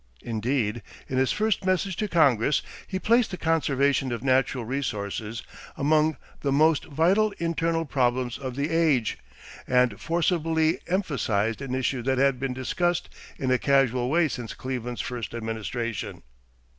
Indeed, in his first message to Congress he placed the conservation of natural resources among "the most vital internal problems" of the age, and forcibly emphasized an issue that had been discussed in a casual way since Cleveland's first administration.